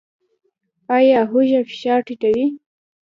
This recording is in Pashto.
ایا هوږه فشار ټیټوي؟